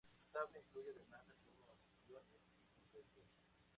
Su tabla incluye además algunos iones y compuestos.